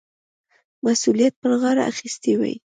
مسؤلیت پر غاړه اخیستی وای.